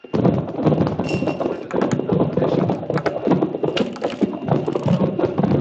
পরে কার্গো ব্যবস্থাপনার দায়িত্বে থাকা বিমান বাংলাদেশ এয়ারলাইনসের কর্মকর্তাদের সঙ্গে বৈঠক করেন।